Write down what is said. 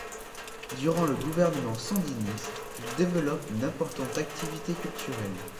Durant le gouvernement sandiniste, il développe une importante activité culturelle.